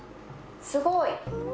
すごい！